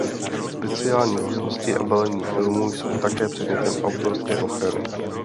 Speciální vlastnosti a balení filmu jsou také předmětem autorské ochrany.